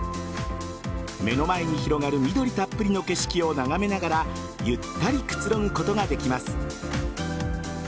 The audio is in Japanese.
目の前に広がる緑たっぷりの景色を眺めながらゆったりくつろぐことができます。